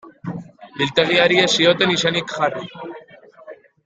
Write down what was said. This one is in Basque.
Biltegiari ez zioten izenik jarri.